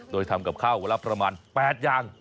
โดยทำกับข้าววันละประมาณ๘อย่าง